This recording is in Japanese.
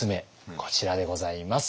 こちらでございます。